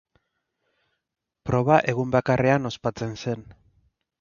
Proba egun bakarrean ospatzen zen.